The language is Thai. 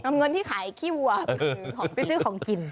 นำเงินที่ขายขี้วัวไปซื้อของกิน